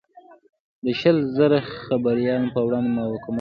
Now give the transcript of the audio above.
د شل زره خیبریانو پروړاندې مقاومت و.